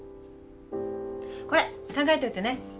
これ考えといてね。